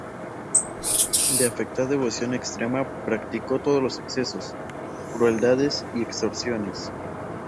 De afectada devoción externa, practicó todos los excesos, crueldades y extorsiones.